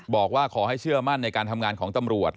บอกว่าขอให้เชื่อมั่นในการทำงานของตำรวจ